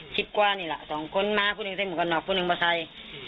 คิดกว่านี่แหละสองคนมาผู้หนึ่งใส่หมูกันหนอผู้หนึ่งมอเซ็ต